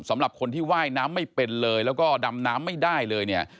สำหรับคนที่ว่ายน้ำไม่เป็นเลยแล้วก็ดำน้ำไม่ได้เลยเนี่ย